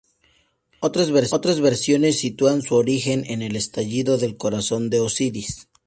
Otras versiones sitúan su origen en el estallido del corazón de Osiris.